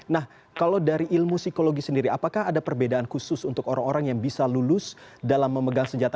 nah kalau dari ilmu psikologi sendiri apakah ada perbedaan khusus untuk orang orang yang bisa lulus dalam memegang senjata